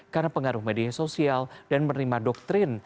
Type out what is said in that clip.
karena pengaruh media sosial dan menerima doktrin